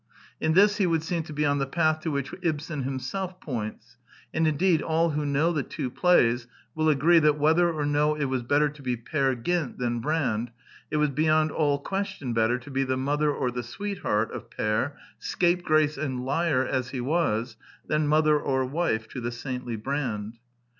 In this he would seem to be on the path to which Ibsen himself points ; and indeed all who know the two play^ will agree that whether or no it was better to be Peer Gynt than Brand, it was beyond all question better to be the mother or the sweetheart of Peer, scapegrace and liar as he was, than mother or wife to the saintly Brand.